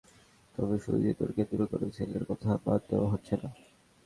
তবে শুধু নিয়ন্ত্রণে কেন্দ্রীয় কোনো সেলের কথা বাদ দেওয়া হচ্ছে না।